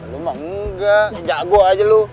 lu mah engga jago aja lu